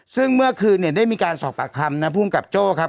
ซึ่งเมื่อคืนเนี่ยได้มีการสอบปากคำนะภูมิกับโจ้ครับ